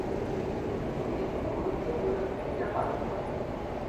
তিনি গুরত্বপূর্ণ ভূমিকা পালন করেন।